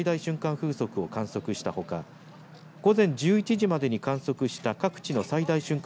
風速を観測したほか午前１１時までに観測した各地の最大瞬間